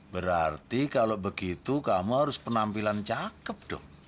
berarti kalau begitu kamu harus penampilan cakep dong